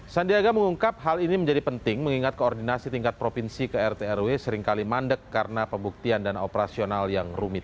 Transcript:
sandiaga mengungkap hal ini menjadi penting mengingat koordinasi tingkat provinsi ke rtrw seringkali mandek karena pembuktian dan operasional yang rumit